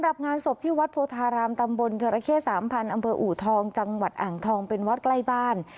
หลังทองเป็นวัดใกล้บ้าน